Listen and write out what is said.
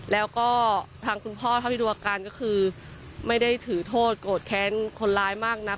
แล้วก็ทางคุณพ่อเท่าที่ดูอาการก็คือไม่ได้ถือโทษโกรธแค้นคนร้ายมากนัก